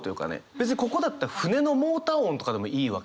別にここだって船のモーター音とかでもいいわけで。